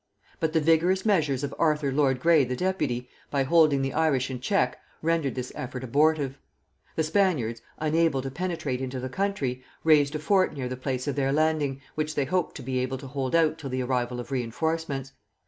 But the vigorous measures of Arthur lord Grey the deputy, by holding the Irish in check, rendered this effort abortive. The Spaniards, unable to penetrate into the country, raised a fort near the place of their landing, which they hoped to be able to hold out till the arrival of reinforcements.